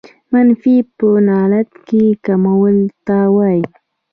منفي په لغت کښي کمولو ته وايي.